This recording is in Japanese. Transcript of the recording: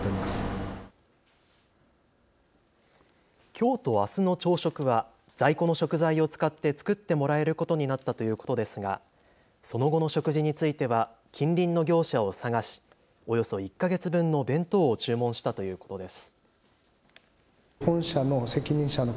きょうとあすの朝食は在庫の食材を使って作ってもらえることになったということですがその後の食事については近隣の業者を探しおよそ１か月分の弁当を注文したということです。